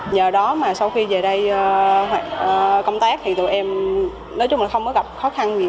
nhờ đó mà sau khi về đây công tác thì tụi em nói chung là không có gặp khó khăn gì